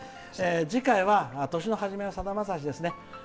次回は「年の初めはさだまさし」です。